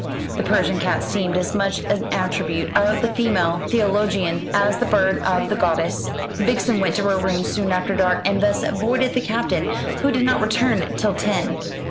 The Persian cat seemed as much an attribute of the female theologian as the bird of the goddess. Vixen went to her room soon after dark, and thus avoided the Captain, who did not return till ten.